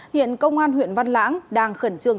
hiện công an huyện văn lãng đang khẩn trương